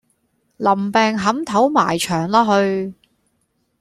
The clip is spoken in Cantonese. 林病扻頭埋牆啦去